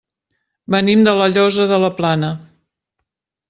Venim de La Llosa de la Plana.